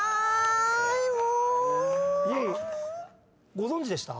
ご存じでした？